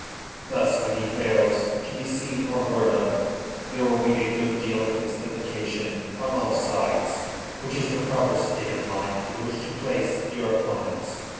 Thus when he fails to be seen or heard of there will be a good deal of mystification on all sides, which is the proper state of mind in which to place your opponents.